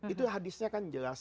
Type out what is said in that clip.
itu hadisnya kan jelas